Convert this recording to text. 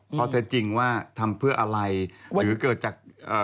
เพราะถ้าจริงว่าทำเพื่ออะไรหรือเกิดจาก